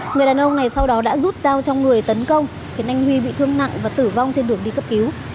người đàn ông này sau đó đã rút dao trong người tấn công khiến anh huy bị thương nặng và tử vong trên đường đi cấp cứu